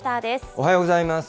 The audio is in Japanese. おはようございます。